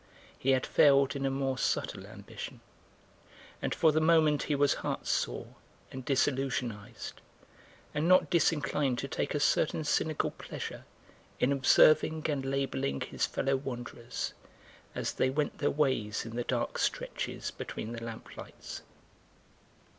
He had failed in a more subtle ambition, and for the moment he was heartsore and disillusionised, and not disinclined to take a certain cynical pleasure in observing and labelling his fellow wanderers as they went their ways in the dark stretches between the lamp lights.